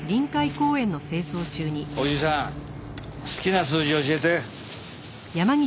おじさん好きな数字教えて。